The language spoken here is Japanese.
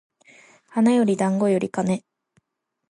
花より団子より金